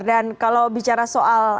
dan kalau bicara soal